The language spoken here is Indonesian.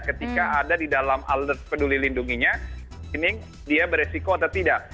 ketika ada di dalam alat peduli lindunginya screening dia beresiko atau tidak